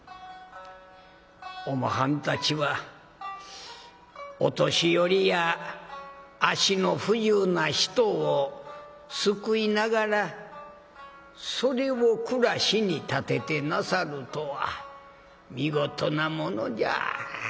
おまはんたちはお年寄りや足の不自由な人を救いながらそれを暮らしに立ててなさるとは見事なものじゃ。